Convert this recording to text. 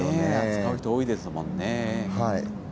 使う人多いですもんね。